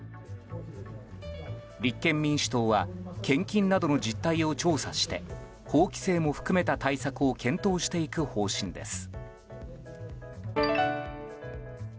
立憲民主党は献金などの実態を調査して法規制も含めた対策を検討していく方針です。